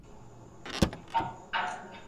که موږ خپله ژبه وساتو، نو کلتوري ارزښتونه نه مړېږي.